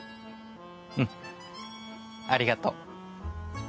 うんありがとう。